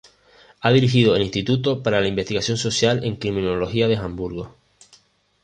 Ha dirigido el "Instituto para la Investigación Social en Criminología" de Hamburgo.